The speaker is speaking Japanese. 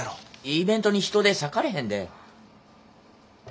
イベントに人手割かれへんで。